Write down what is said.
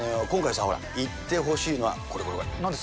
今回さ、ほら、行ってほしいのは、これこれ。